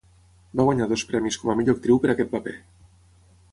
Va guanyar dos premis com a millor actriu per aquest paper.